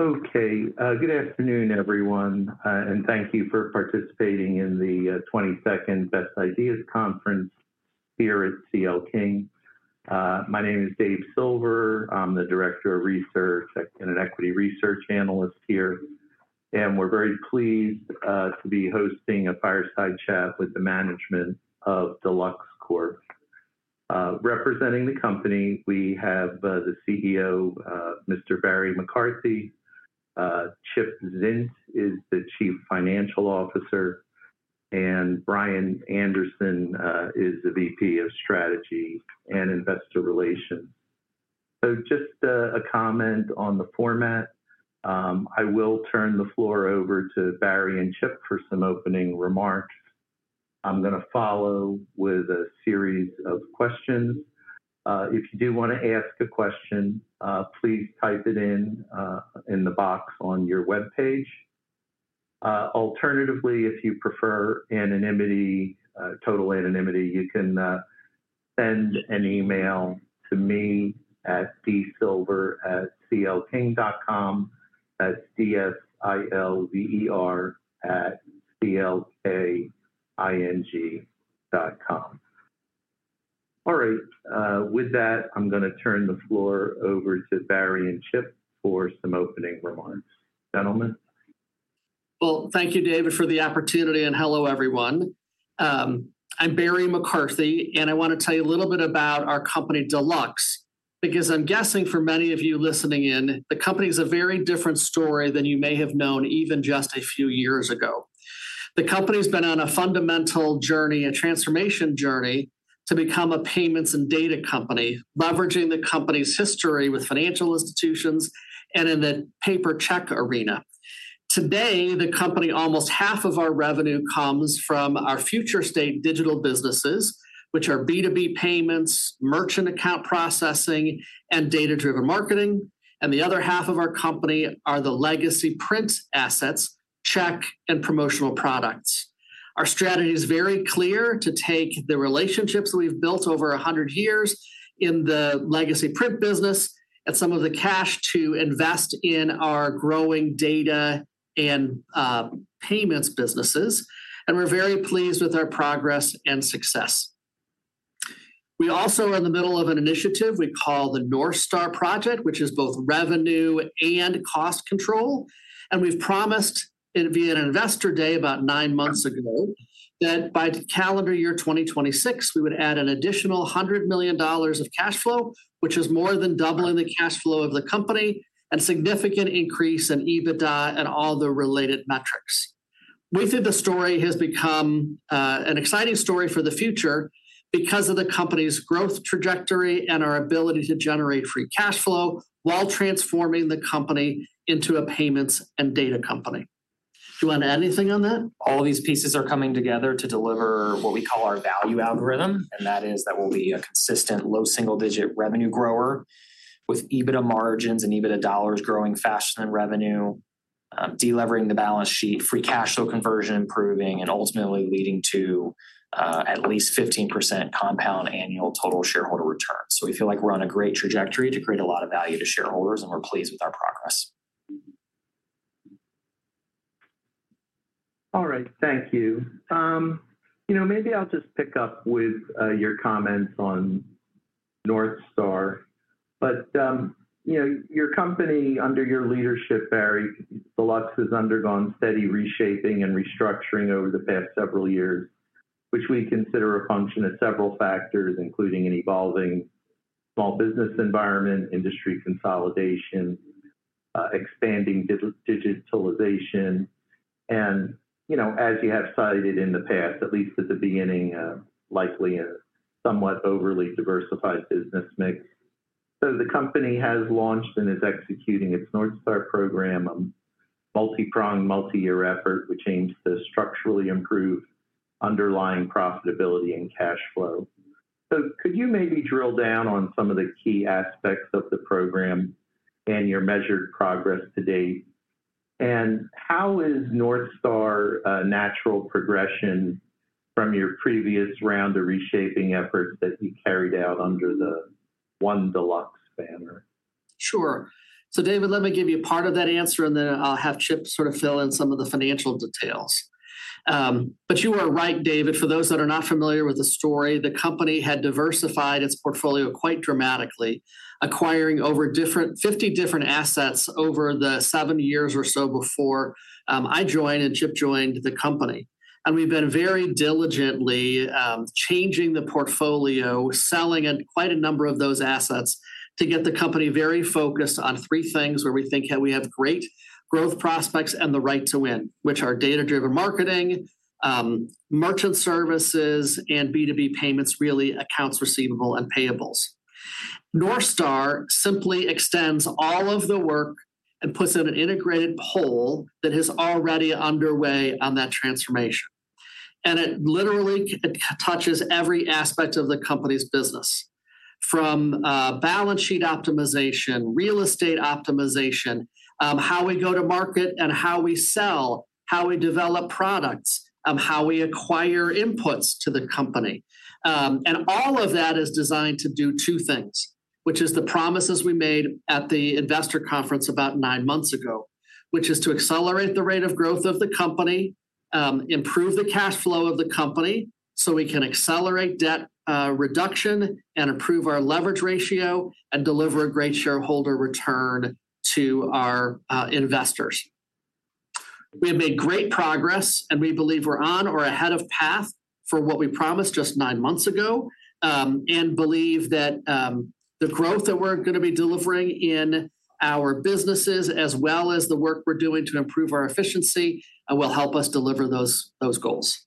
Okay, good afternoon, everyone, and thank you for participating in the 22nd Best Ideas Conference here at C.L. King. My name is Dave Silver. I'm the director of research and an equity research analyst here, and we're very pleased to be hosting a Fireside Chat with the management of Deluxe Corp. Representing the company, we have the CEO, Mr. Barry McCarthy. Chip Zint is the Chief Financial Officer, and Brian Anderson is the VP of Strategy and Investor Relations. So just a comment on the format. I will turn the floor over to Barry and Chip for some opening remarks. I'm gonna follow with a series of questions. If you do want to ask a question, please type it in the box on your webpage. Alternatively, if you prefer anonymity, total anonymity, you can send an email to me at dsilver@clking.com, that's D-S-I-L-V-E-R @C-L-K-I-N-G.com. All right, with that, I'm gonna turn the floor over to Barry and Chip for some opening remarks. Gentlemen? Thank you, David, for the opportunity, and hello, everyone. I'm Barry McCarthy, and I want to tell you a little bit about our company, Deluxe, because I'm guessing for many of you listening in, the company is a very different story than you may have known even just a few years ago. The company's been on a fundamental journey, a transformation journey, to become a payments and data company, leveraging the company's history with financial institutions and in the paper check arena. Today, the company, almost half of our revenue comes from our future state digital businesses, which are B2B payments, merchant account processing, and data-driven marketing. The other half of our company are the legacy print assets, check, and promotional products. Our strategy is very clear, to take the relationships we've built over a hundred years in the legacy print business and some of the cash to invest in our growing data and payments businesses, and we're very pleased with our progress and success. We also are in the middle of an initiative we call the North Star project, which is both revenue and cost control. And we've promised, it'd be an Investor Day about nine months ago, that by the calendar year 2026, we would add an additional $100 million of cash flow, which is more than doubling the cash flow of the company and significant increase in EBITDA and all the related metrics. We think the story has become an exciting story for the future because of the company's growth trajectory and our ability to generate free cash flow while transforming the company into a payments and data company. Do you want to add anything on that? All these pieces are coming together to deliver what we call our value algorithm, and that is that we'll be a consistent low single-digit revenue grower with EBITDA margins and EBITDA dollars growing faster than revenue, delevering the balance sheet, free cash flow conversion improving, and ultimately leading to at least 15% compound annual total shareholder return. So we feel like we're on a great trajectory to create a lot of value to shareholders, and we're pleased with our progress. All right, thank you. You know, maybe I'll just pick up with your comments on North Star. But, you know, your company, under your leadership, Barry, Deluxe, has undergone steady reshaping and restructuring over the past several years, which we consider a function of several factors, including an evolving small business environment, industry consolidation, expanding digitalization, and, you know, as you have cited in the past, at least at the beginning, likely a somewhat overly diversified business mix. So the company has launched and is executing its North Star program, a multi-pronged, multi-year effort, which aims to structurally improve underlying profitability and cash flow. So could you maybe drill down on some of the key aspects of the program and your measured progress to date? How is North Star a natural progression from your previous round of reshaping efforts that you carried out under the One Deluxe banner? Sure. So, David, let me give you a part of that answer, and then I'll have Chip sort of fill in some of the financial details. But you are right, David. For those that are not familiar with the story, the company had diversified its portfolio quite dramatically, acquiring over 50 different assets over the seven years or so before I joined and Chip joined the company. And we've been very diligently changing the portfolio, selling quite a number of those assets to get the company very focused on three things where we think we have great growth prospects and the right to win, which are data-driven marketing, merchant services, and B2B payments, really accounts receivable and payables. North Star simply extends all of the work and puts it in an integrated whole that is already underway on that transformation. And it literally touches every aspect of the company's business, from balance sheet optimization, real estate optimization, how we go to market and how we sell, how we develop products, how we acquire inputs to the company, and all of that is designed to do two things, which is the promises we made at the investor conference about nine months ago, which is to accelerate the rate of growth of the company, improve the cash flow of the company so we can accelerate debt reduction and improve our leverage ratio and deliver a great shareholder return to our investors. We have made great progress, and we believe we're on or ahead of path for what we promised just nine months ago. And believe that the growth that we're going to be delivering in our businesses, as well as the work we're doing to improve our efficiency, will help us deliver those goals.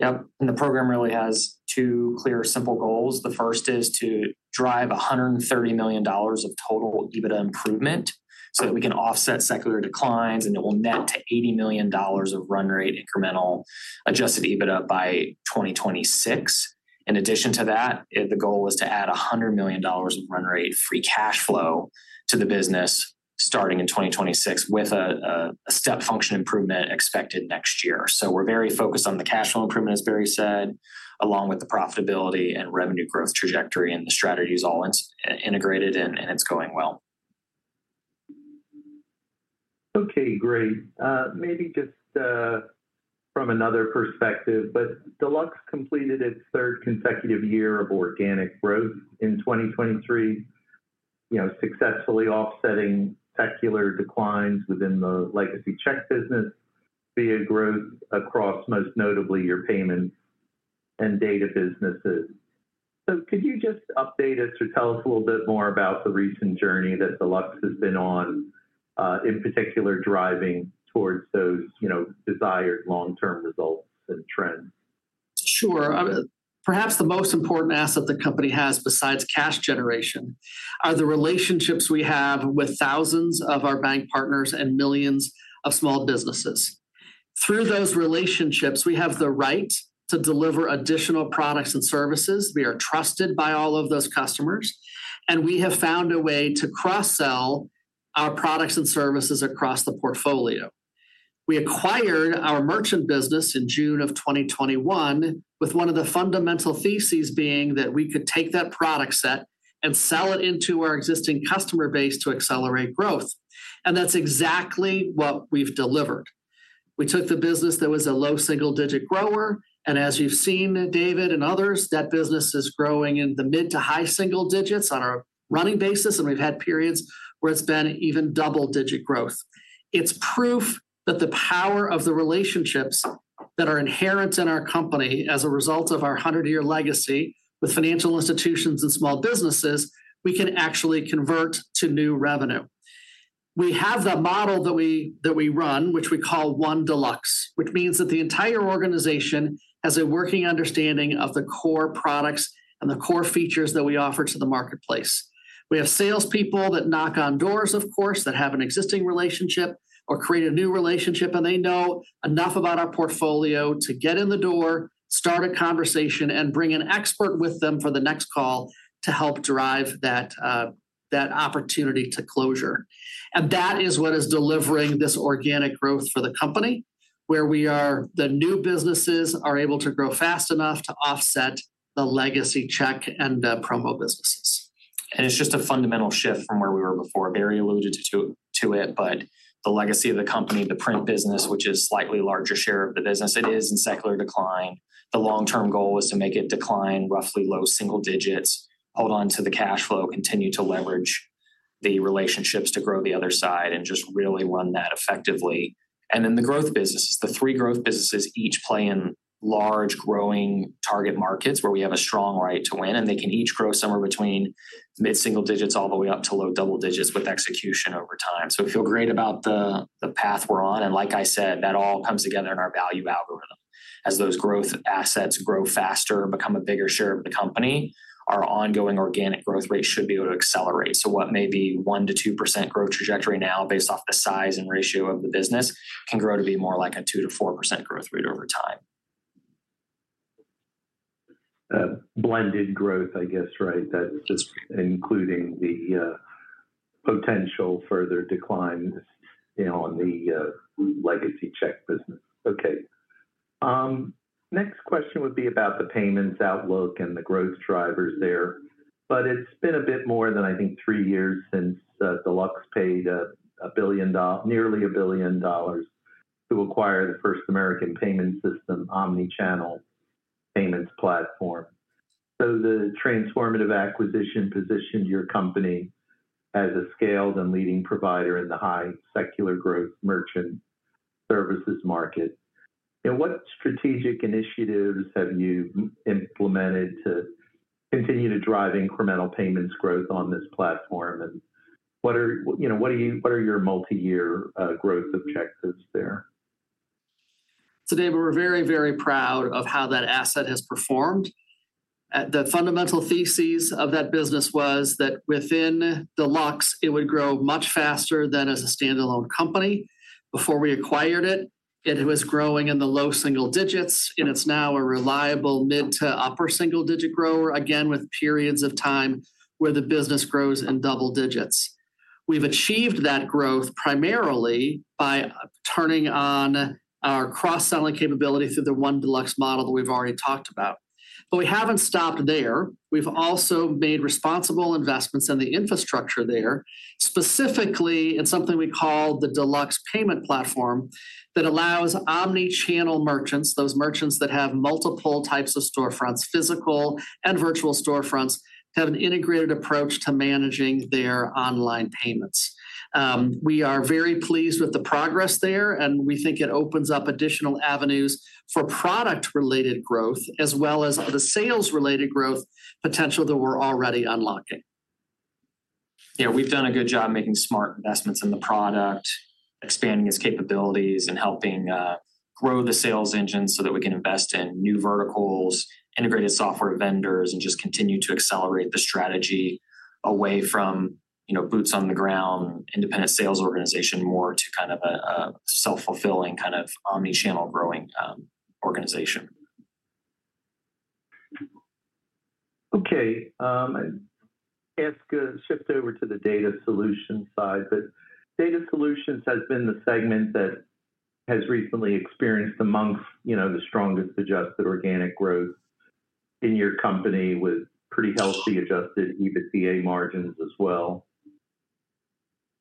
Yep, and the program really has two clear, simple goals. The first is to drive $130 million of total EBITDA improvement so that we can offset secular declines, and it will net to $80 million of run rate incremental adjusted EBITDA by 2026. In addition to that, the goal was to add $100 million of run rate free cash flow to the business starting in 2026, with a step function improvement expected next year. So we're very focused on the cash flow improvement, as Barry said, along with the profitability and revenue growth trajectory, and the strategy is all integrated, and it's going well. Okay, great. Maybe just from another perspective, but Deluxe completed its third consecutive year of organic growth in 2023. You know, successfully offsetting secular declines within the legacy check business via growth across, most notably, your payments and data businesses. So could you just update us or tell us a little bit more about the recent journey that Deluxe has been on, in particular, driving towards those, you know, desired long-term results and trends? Sure. Perhaps the most important asset the company has, besides cash generation, are the relationships we have with thousands of our bank partners and millions of small businesses. Through those relationships, we have the right to deliver additional products and services. We are trusted by all of those customers, and we have found a way to cross-sell our products and services across the portfolio. We acquired our merchant business in June of 2021, with one of the fundamental theses being that we could take that product set and sell it into our existing customer base to accelerate growth, and that's exactly what we've delivered. We took the business that was a low single-digit grower, and as you've seen, David and others, that business is growing in the mid to high single-digits on a running basis, and we've had periods where it's been even double-digit growth. It's proof that the power of the relationships that are inherent in our company as a result of our hundred-year legacy with financial institutions and small businesses we can actually convert to new revenue. We have the model that we run, which we call One Deluxe, which means that the entire organization has a working understanding of the core products and the core features that we offer to the marketplace. We have salespeople that knock on doors, of course, that have an existing relationship or create a new relationship, and they know enough about our portfolio to get in the door, start a conversation, and bring an expert with them for the next call to help drive that opportunity to closure, and that is what is delivering this organic growth for the company, where we are the new businesses are able to grow fast enough to offset the legacy check and the promo businesses. It's just a fundamental shift from where we were before. Barry alluded to it, but the legacy of the company, the print business, which is a slightly larger share of the business, it is in secular decline. The long-term goal is to make it decline roughly low single-digits, hold on to the cash flow, continue to leverage the relationships to grow the other side, and just really run that effectively. The growth businesses, the three growth businesses each play in large, growing target markets where we have a strong right to win, and they can each grow somewhere between mid-single-digits all the way up to low double digits with execution over time. We feel great about the path we're on, and like I said, that all comes together in our value algorithm. As those growth assets grow faster and become a bigger share of the company, our ongoing organic growth rate should be able to accelerate. So what may be 1%-2% growth trajectory now, based off the size and ratio of the business, can grow to be more like a 2%-4% growth rate over time. Blended growth, I guess, right? That's just including the potential further declines, you know, on the legacy check business. Okay. Next question would be about the payments outlook and the growth drivers there, but it's been a bit more than, I think, three years since Deluxe paid nearly $1 billion to acquire the First American Payment Systems omnichannel payments platform. So the transformative acquisition positioned your company as a scaled and leading provider in the high secular growth merchant services market, and what strategic initiatives have you implemented to continue to drive incremental payments growth on this platform, and what are, you know, your multi-year growth objectives there? So David, we're very, very proud of how that asset has performed. The fundamental thesis of that business was that within Deluxe, it would grow much faster than as a standalone company. Before we acquired it, it was growing in the low single-digits, and it's now a reliable mid to upper single-digit grower, again, with periods of time where the business grows in double digits.... We've achieved that growth primarily by turning on our cross-selling capability through the One Deluxe model that we've already talked about. But we haven't stopped there. We've also made responsible investments in the infrastructure there, specifically in something we call the Deluxe Payment Platform, that allows omnichannel merchants, those merchants that have multiple types of storefronts, physical and virtual storefronts, to have an integrated approach to managing their online payments. We are very pleased with the progress there, and we think it opens up additional avenues for product-related growth as well as the sales-related growth potential that we're already unlocking. Yeah, we've done a good job making smart investments in the product, expanding its capabilities, and helping grow the sales engine so that we can invest in new verticals, integrated software vendors, and just continue to accelerate the strategy away from, you know, boots-on-the-ground independent sales organization, more to kind of a self-fulfilling, kind of omnichannel growing organization. Okay, I guess could shift over to the Data Solutions side. But Data Solutions has been the segment that has recently experienced amongst, you know, the strongest adjusted organic growth in your company, with pretty healthy adjusted EBITDA margins as well.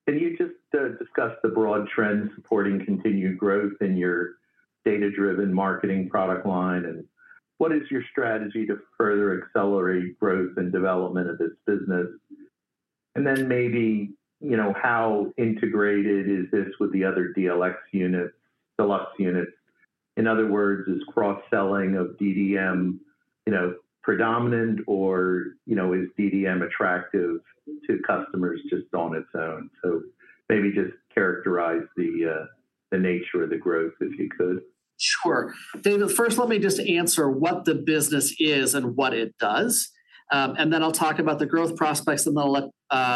Can you just, discuss the broad trends supporting continued growth in your data-driven marketing product line, and what is your strategy to further accelerate growth and development of this business? And then maybe, you know, how integrated is this with the other DLX unit, Deluxe units? In other words, is cross-selling of DDM, you know, predominant or, you know, is DDM attractive to customers just on its own? So maybe just characterize the nature of the growth, if you could. Sure. David, first, let me just answer what the business is and what it does, and then I'll talk about the growth prospects, and then I'll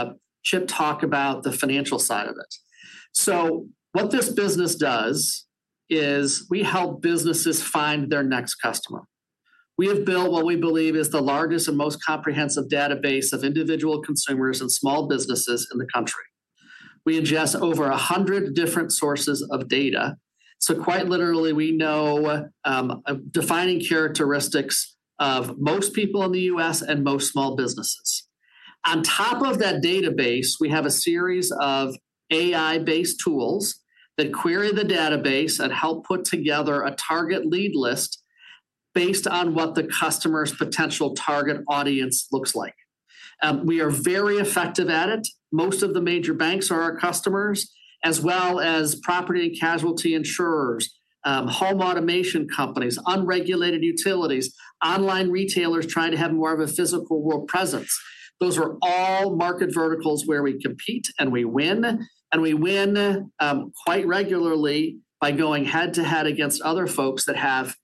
let Chip talk about the financial side of it. So what this business does is we help businesses find their next customer. We have built what we believe is the largest and most comprehensive database of individual consumers and small businesses in the country. We ingest over a hundred different sources of data, so quite literally, we know defining characteristics of most people in the U.S. and most small businesses. On top of that database, we have a series of AI-based tools that query the database and help put together a target lead list based on what the customer's potential target audience looks like. We are very effective at it. Most of the major banks are our customers, as well as property and casualty insurers, home automation companies, unregulated utilities, online retailers trying to have more of a physical world presence. Those are all market verticals where we compete and we win, and we win, quite regularly by going head-to-head against other folks that have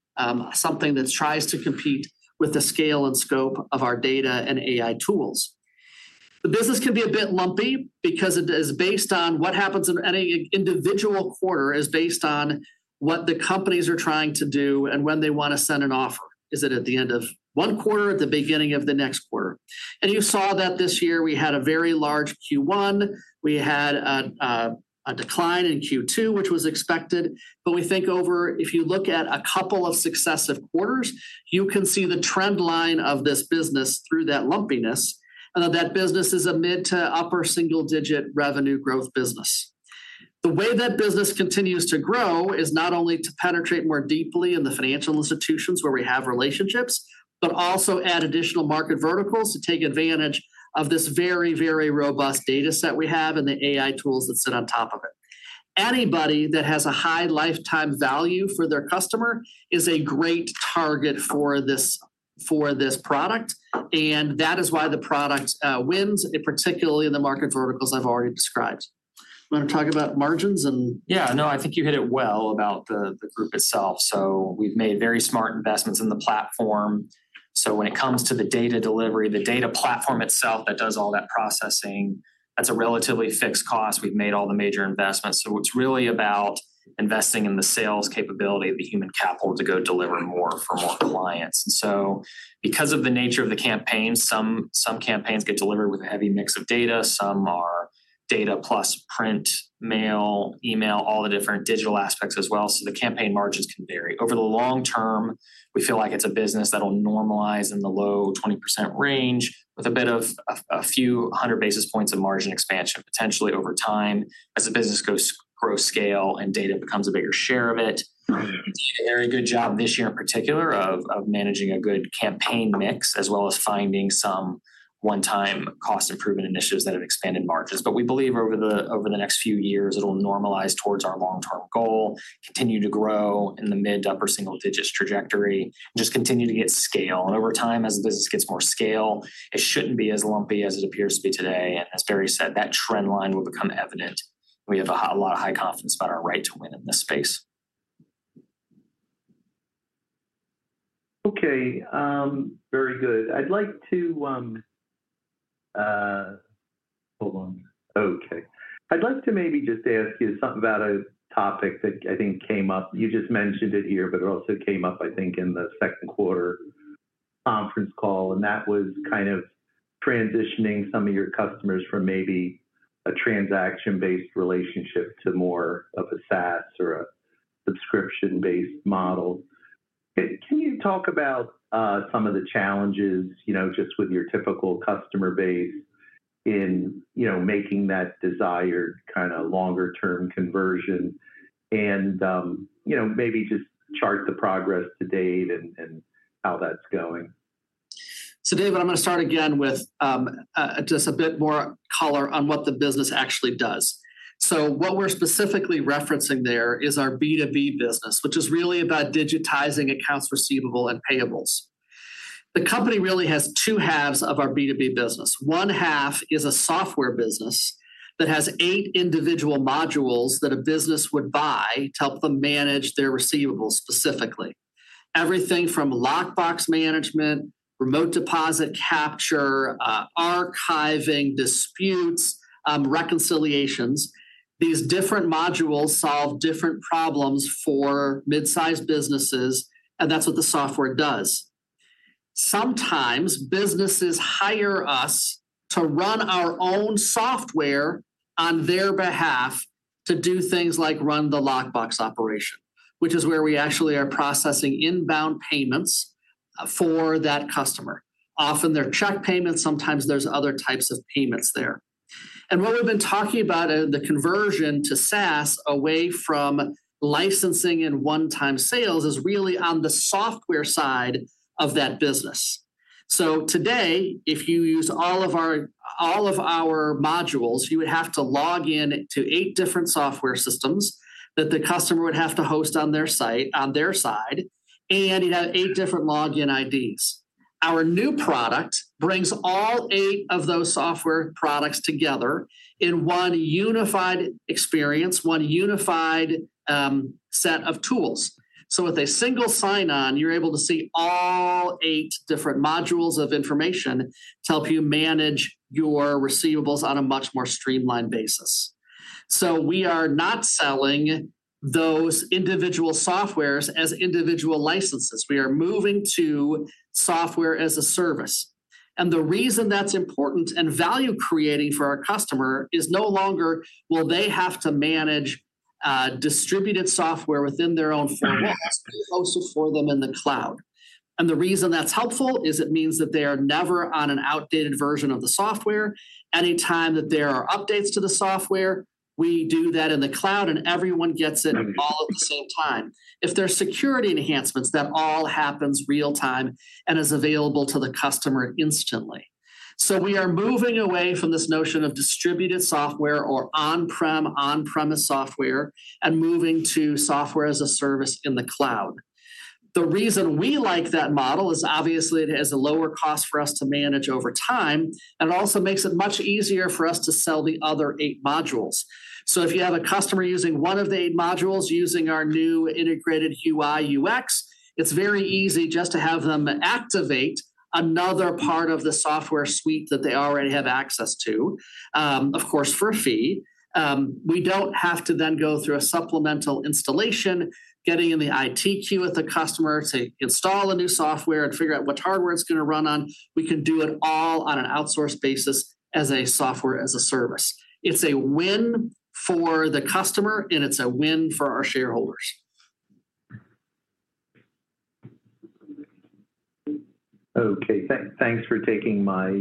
something that tries to compete with the scale and scope of our data and AI tools. The business can be a bit lumpy because it is based on what happens in any individual quarter, is based on what the companies are trying to do and when they want to send an offer. Is it at the end of one quarter or the beginning of the next quarter? And you saw that this year we had a very large Q1. We had a decline in Q2, which was expected, but we think over if you look at a couple of successive quarters, you can see the trend line of this business through that lumpiness, and that business is a mid- to upper single-digit revenue growth business. The way that business continues to grow is not only to penetrate more deeply in the financial institutions where we have relationships, but also add additional market verticals to take advantage of this very, very robust data set we have and the AI tools that sit on top of it. Anybody that has a high lifetime value for their customer is a great target for this product, and that is why the product wins, and particularly in the market verticals I've already described. You want to talk about margins and. Yeah, no, I think you hit it well about the group itself. So we've made very smart investments in the platform. So when it comes to the data delivery, the data platform itself, that does all that processing, that's a relatively fixed cost. We've made all the major investments. So it's really about investing in the sales capability of the human capital to go deliver more for more clients. And so because of the nature of the campaign, some campaigns get delivered with a heavy mix of data, some are data plus print, mail, email, all the different digital aspects as well, so the campaign margins can vary. Over the long term, we feel like it's a business that'll normalize in the low 20% range, with a bit of a few hundred basis points of margin expansion, potentially over time, as the business goes, grows scale and data becomes a bigger share of it. We did a very good job this year in particular of managing a good campaign mix, as well as finding some one-time cost improvement initiatives that have expanded margins. But we believe over the next few years, it'll normalize towards our long-term goal, continue to grow in the mid- to upper-single-digits trajectory, and just continue to get scale. And over time, as the business gets more scale, it shouldn't be as lumpy as it appears to be today. And as Barry said, that trend line will become evident. We have a lot of high confidence about our right to win in this space. Okay, very good. I'd like to maybe just ask you something about a topic that I think came up. You just mentioned it here, but it also came up, I think, in the second quarter conference call, and that was kind of transitioning some of your customers from maybe a transaction-based relationship to more of a SaaS or a subscription-based model. Can you talk about some of the challenges, you know, just with your typical customer base in, you know, making that desired kind of longer term conversion? And you know, maybe just chart the progress to date and how that's going. So David, I'm gonna start again with, just a bit more color on what the business actually does. So what we're specifically referencing there is our B2B business, which is really about digitizing accounts receivable and payables. The company really has two halves of our B2B business. One half is a software business that has eight individual modules that a business would buy to help them manage their receivables, specifically. Everything from lockbox management, remote deposit capture, archiving, disputes, reconciliations. These different modules solve different problems for mid-sized businesses, and that's what the software does. Sometimes businesses hire us to run our own software on their behalf to do things like run the lockbox operation, which is where we actually are processing inbound payments, for that customer. Often they're check payments, sometimes there's other types of payments there. And what we've been talking about, the conversion to SaaS away from licensing and one-time sales, is really on the software side of that business. So today, if you use all of our modules, you would have to log in to eight different software systems that the customer would have to host on their site, on their side, and you'd have eight different login IDs. Our new product brings all eight of those software products together in one unified experience, one unified set of tools. So with a single sign-on, you're able to see all eight different modules of information to help you manage your receivables on a much more streamlined basis. So we are not selling those individual softwares as individual licenses. We are moving to software as a service, and the reason that's important and value-creating for our customer is no longer will they have to manage distributed software within their own formats, but also for them in the cloud, and the reason that's helpful is it means that they are never on an outdated version of the software. Anytime that there are updates to the software, we do that in the cloud and everyone gets it all at the same time. If there's security enhancements, that all happens real time and is available to the customer instantly, so we are moving away from this notion of distributed software or on-prem, on-premise software, and moving to software as a service in the cloud. The reason we like that model is obviously it has a lower cost for us to manage over time, and also makes it much easier for us to sell the other eight modules. So if you have a customer using one of the eight modules, using our new integrated UI/UX, it's very easy just to have them activate another part of the software suite that they already have access to, of course, for a fee. We don't have to then go through a supplemental installation, getting in the IT queue with the customer to install a new software and figure out what hardware it's gonna run on. We can do it all on an outsourced basis as software as a service. It's a win for the customer and it's a win for our shareholders. Okay, thanks for taking my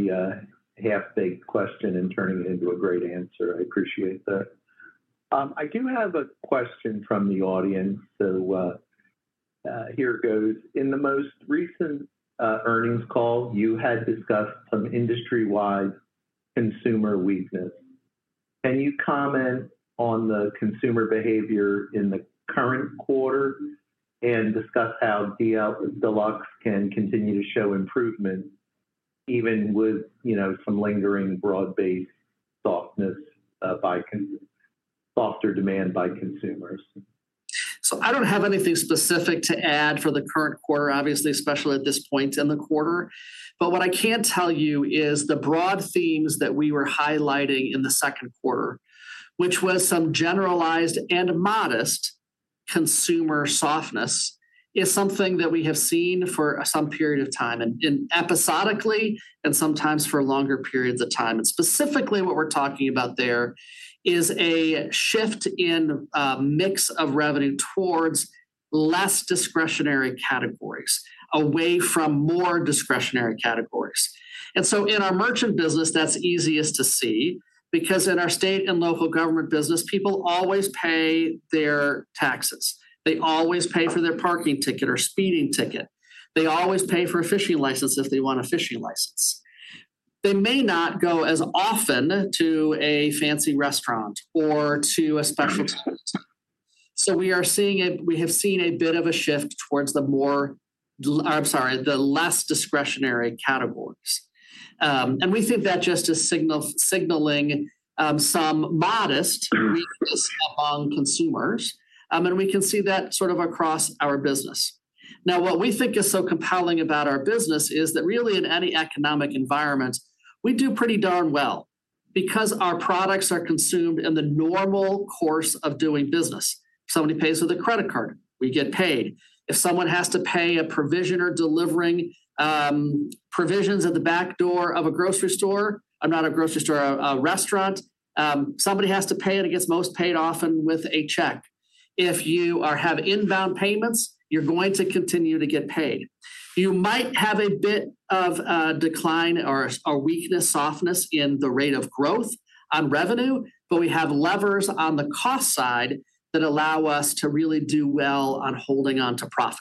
half-baked question and turning it into a great answer. I appreciate that. I do have a question from the audience, so here goes. In the most recent earnings call, you had discussed some industry-wide consumer weakness. Can you comment on the consumer behavior in the current quarter and discuss how Deluxe can continue to show improvement even with, you know, some lingering broad-based softness, softer demand by consumers? So I don't have anything specific to add for the current quarter, obviously, especially at this point in the quarter. But what I can tell you is the broad themes that we were highlighting in the second quarter, which was some generalized and modest consumer softness, is something that we have seen for some period of time, and episodically, and sometimes for longer periods of time. And specifically what we're talking about there is a shift in a mix of revenue towards less discretionary categories, away from more discretionary categories. And so in our merchant business, that's easiest to see because in our state and local government business, people always pay their taxes. They always pay for their parking ticket or speeding ticket. They always pay for a fishing license if they want a fishing license. They may not go as often to a fancy restaurant or to a special event. So we are seeing we have seen a bit of a shift towards the more. I'm sorry, the less discretionary categories, and we think that just is signaling some modest weakness among consumers, and we can see that sort of across our business. Now, what we think is so compelling about our business is that really in any economic environment, we do pretty darn well. Because our products are consumed in the normal course of doing business. Somebody pays with a credit card, we get paid. If someone has to pay a provisioner delivering provisions at the back door of a grocery store, or not a grocery store, a restaurant, somebody has to pay it. It gets paid most often with a check. If you have inbound payments, you're going to continue to get paid. You might have a bit of a decline or a weakness, softness in the rate of growth on revenue, but we have levers on the cost side that allow us to really do well on holding on to profit.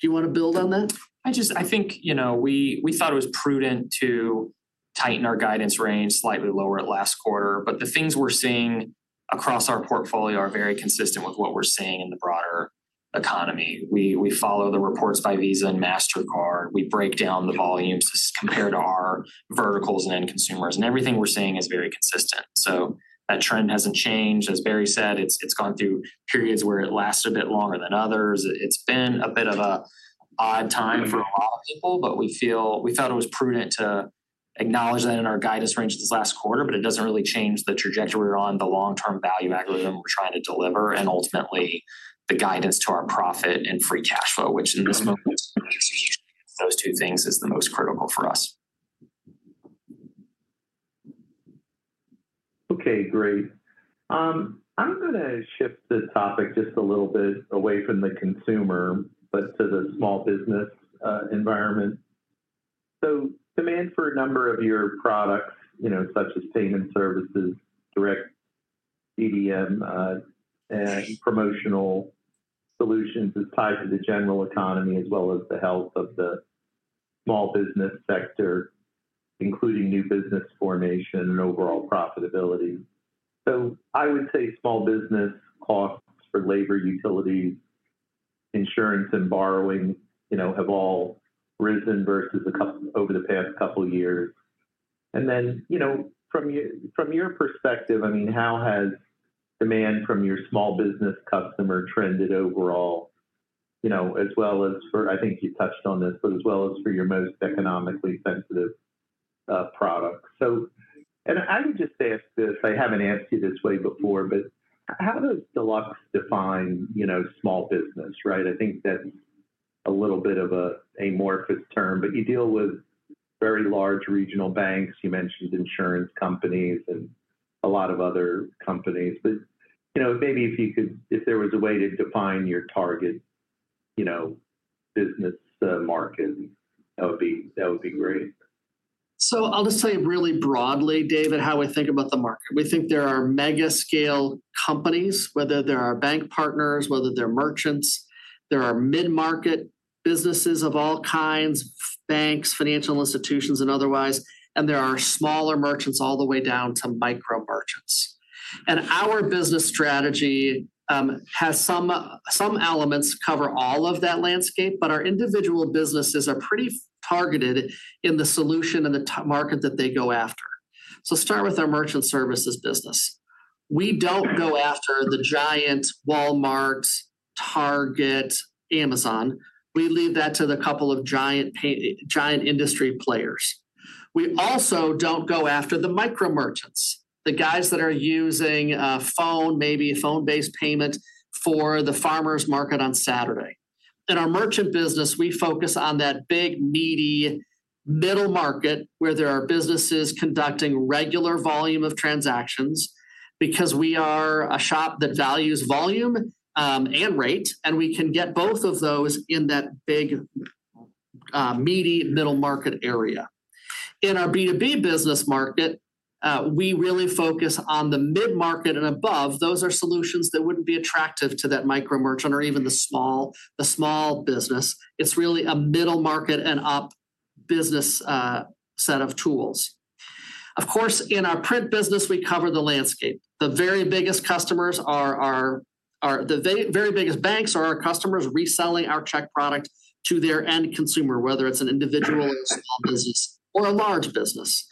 Do you wanna build on that? I just, I think, you know, we, we thought it was prudent to tighten our guidance range slightly lower last quarter. But the things we're seeing across our portfolio are very consistent with what we're seeing in the broader economy. We, we follow the reports by Visa and Mastercard. We break down the volumes as compared to our verticals and end consumers, and everything we're seeing is very consistent. So that trend hasn't changed. As Barry said, it's, it's gone through periods where it lasts a bit longer than others. It's been a bit of an odd time for a lot of people, but we feel we thought it was prudent to acknowledge that in our guidance range this last quarter, but it doesn't really change the trajectory we're on, the long-term value algorithm we're trying to deliver, and ultimately, the guidance to our profit and free cash flow, which in this moment, those two things is the most critical for us. Okay, great. I'm gonna shift the topic just a little bit away from the consumer, but to the small business environment. So demand for a number of your products, you know, such as payment services, direct DDM, and promotional solutions, is tied to the general economy as well as the health of the small business sector, including new business formation and overall profitability. So I would say small business costs for labor, utilities, insurance, and borrowing, you know, have all risen versus a couple, over the past couple of years. And then, you know, from your, from your perspective, I mean, how has demand from your small business customer trended overall? You know, as well as for, I think you touched on this, but as well as for your most economically sensitive products. So, I would just ask this. I haven't asked you this way before, but how does Deluxe define, you know, small business, right? I think that's a little bit of a, an amorphous term, but you deal with very large regional banks. You mentioned insurance companies and a lot of other companies. But, you know, maybe if you could, if there was a way to define your target, you know, business market, that would be, that would be great. I'll just say really broadly, David, how we think about the market. We think there are mega-scale companies, whether they're our bank partners, whether they're merchants. There are mid-market businesses of all kinds, banks, financial institutions, and otherwise, and there are smaller merchants all the way down to micro-merchants. Our business strategy has some elements cover all of that landscape, but our individual businesses are pretty targeted in the solution and the target market that they go after. Start with our merchant services business. We don't go after the giant Walmarts, Target, Amazon. We leave that to the couple of giant industry players. We also don't go after the micro-merchants, the guys that are using a phone, maybe a phone-based payment for the farmers market on Saturday. In our merchant business, we focus on that big, meaty middle market, where there are businesses conducting regular volume of transactions, because we are a shop that values volume, and rate, and we can get both of those in that big, meaty middle market area. In our B2B business market, we really focus on the mid-market and above. Those are solutions that wouldn't be attractive to that micro-merchant or even the small business. It's really a middle market and up business, set of tools. Of course, in our print business, we cover the landscape. The very biggest banks are our customers reselling our check product to their end consumer, whether it's an individual, a small business, or a large business.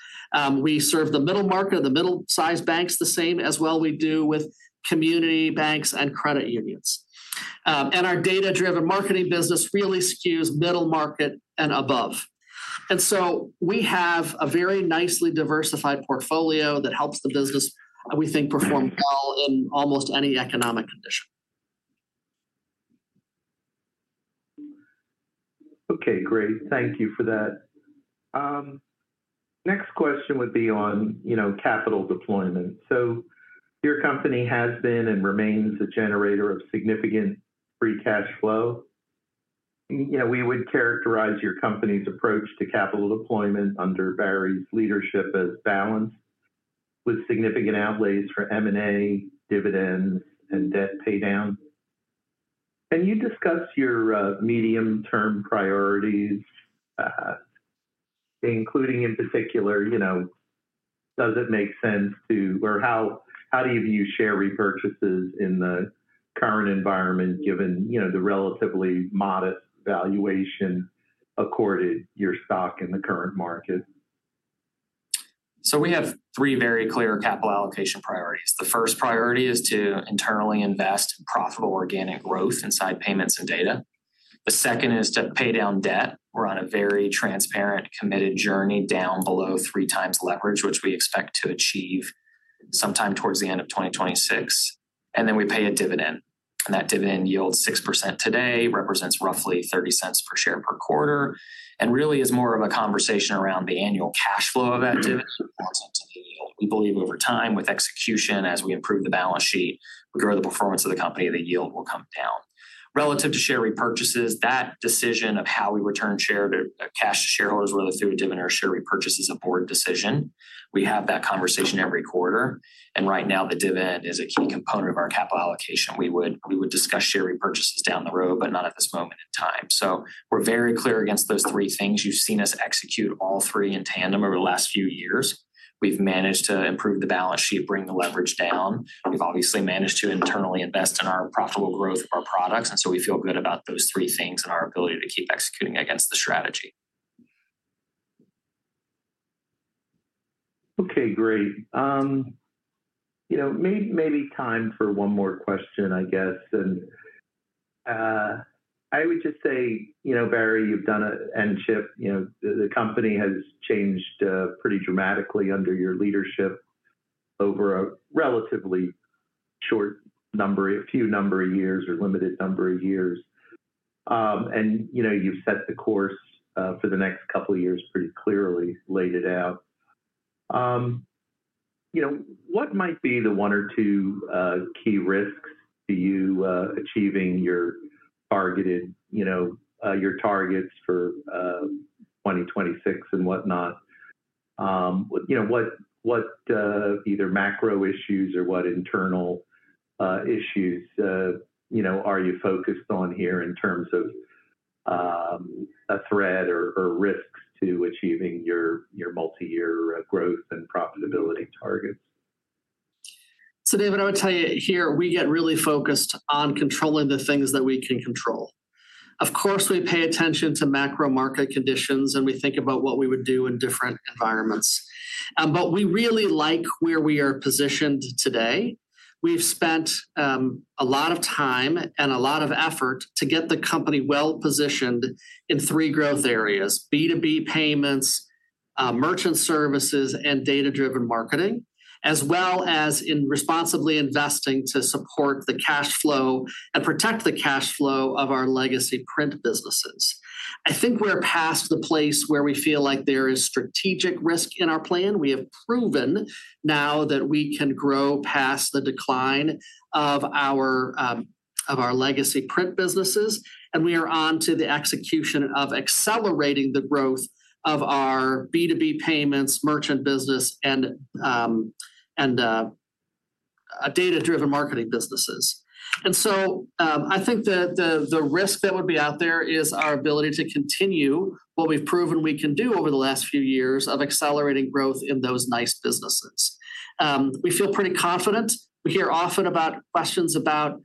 We serve the middle market or the middle-sized banks the same as well we do with community banks and credit unions. And our data-driven marketing business really skews middle market and above. And so we have a very nicely diversified portfolio that helps the business, we think, perform well in almost any economic condition. Okay, great. Thank you for that. Next question would be on, you know, capital deployment. So your company has been and remains a generator of significant free cash flow. You know, we would characterize your company's approach to capital deployment under Barry's leadership as balanced, with significant outlays for M&A, dividends, and debt paydown. Can you discuss your medium-term priorities, including, in particular, you know, does it make sense to, or how do you view share repurchases in the current environment, given, you know, the relatively modest valuation accorded your stock in the current market? So we have three very clear capital allocation priorities. The first priority is to internally invest in profitable organic growth inside payments and data. The second is to pay down debt. We're on a very transparent, committed journey down below 3x leverage, which we expect to achieve sometime towards the end of 2026, and then we pay a dividend. That dividend yields 6% today, represents roughly $0.30 per share per quarter, and really is more of a conversation around the annual cash flow of that dividend. We believe over time, with execution, as we improve the balance sheet, we grow the performance of the company, the yield will come down. Relative to share repurchases, that decision of how we return share to, cash to shareholders, whether through a dividend or a share repurchase, is a board decision. We have that conversation every quarter, and right now, the dividend is a key component of our capital allocation. We would, we would discuss share repurchases down the road, but not at this moment in time. So we're very clear against those three things. You've seen us execute all three in tandem over the last few years. We've managed to improve the balance sheet, bring the leverage down. We've obviously managed to internally invest in our profitable growth of our products, and so we feel good about those three things and our ability to keep executing against the strategy. Okay, great. You know, maybe time for one more question, I guess. And I would just say, you know, Barry, you've done a... And Chip, you know, the company has changed pretty dramatically under your leadership over a relatively short number of years or a limited number of years. And you know, you've set the course for the next couple of years, pretty clearly laid it out. You know, what might be the one or two key risks to you achieving your targeted, you know, your targets for 2026 and whatnot? You know, what either macro issues or what internal issues you know, are you focused on here in terms of a threat or risks to achieving your multi-year growth and profitability targets? So, David, I would tell you here, we get really focused on controlling the things that we can control. Of course, we pay attention to macro-market conditions, and we think about what we would do in different environments. But we really like where we are positioned today. We've spent a lot of time and a lot of effort to get the company well-positioned in three growth areas: B2B payments, merchant services, and data-driven marketing, as well as in responsibly investing to support the cash flow and protect the cash flow of our legacy print businesses. I think we're past the place where we feel like there is strategic risk in our plan. We have proven now that we can grow past the decline of our legacy print businesses, and we are on to the execution of accelerating the growth of our B2B payments, merchant business, and data-driven marketing businesses, and so I think the risk that would be out there is our ability to continue what we've proven we can do over the last few years of accelerating growth in those nice businesses. We feel pretty confident. We hear often about questions about,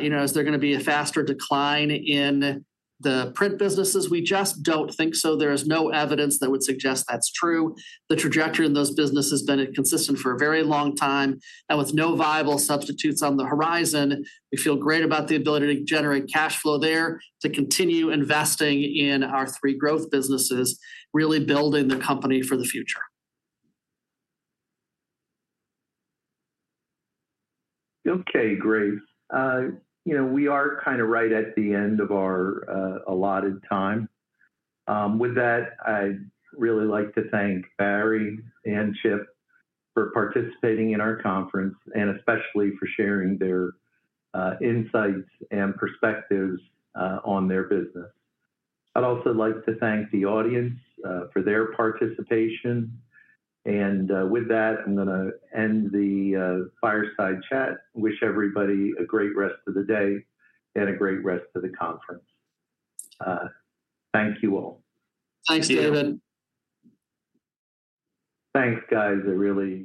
you know, is there gonna be a faster decline in the print businesses? We just don't think so. There is no evidence that would suggest that's true. The trajectory in those businesses has been consistent for a very long time, and with no viable substitutes on the horizon, we feel great about the ability to generate cash flow there, to continue investing in our three growth businesses, really building the company for the future. Okay, great. You know, we are kinda right at the end of our allotted time. With that, I'd really like to thank Barry and Chip for participating in our conference, and especially for sharing their insights and perspectives on their business. I'd also like to thank the audience for their participation, and with that, I'm gonna end the fireside chat. Wish everybody a great rest of the day and a great rest of the conference. Thank you all. Thanks, David. Thank you. Thanks, guys. I really-